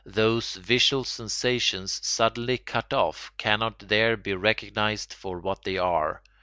Those visual sensations suddenly cut off cannot there be recognised for what they are.